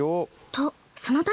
とその時。